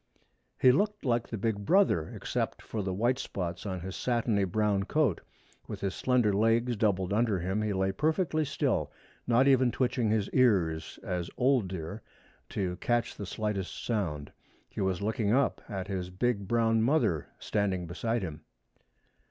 He looked like the big brother, except for the white spots on his satiny brown coat. With his slender legs doubled under him he lay perfectly still, not even twitching his ears, as old deer to catch the slightest sound. He was looking up at his big brown mother standing beside him.